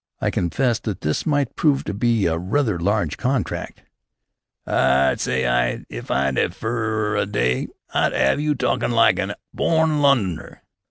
I confessed that this might prove to be rather a large contract. "'Ard? S'y! 'Ere! If I 'ad you fer a d'y, I'd 'ave you talkin' like a born Lunnoner!